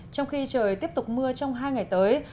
trong khi trời tiếp tục mưa trong hai ngày tới